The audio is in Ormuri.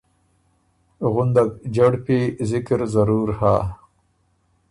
غُندک جهړپی ذکر ضرور هۀ۔